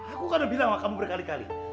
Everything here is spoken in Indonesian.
aku kan udah bilang sama kamu berkali kali